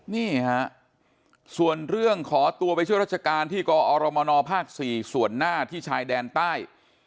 นี่ฮะส่วนเรื่องขอตัวไปช่วยราชการที่กอรมนภ๔ส่วนหน้าที่ชายแดนใต้